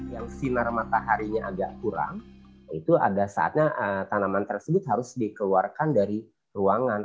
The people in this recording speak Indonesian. yang sinar mataharinya agak kurang itu ada saatnya tanaman tersebut harus dikeluarkan dari ruangan